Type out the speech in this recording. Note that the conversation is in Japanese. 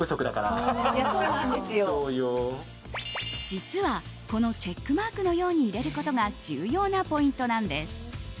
実は、このチェックマークのように入れることが重要なポイントなんです。